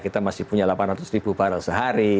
kita masih punya delapan ratus ribu barang sehari